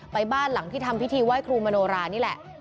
บ้านหลังที่ทำพิธีไหว้ครูมโนรานี่แหละ